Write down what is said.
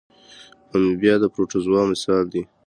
امیبا د پروټوزوا مثال دی